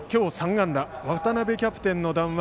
安打渡邊キャプテンの談話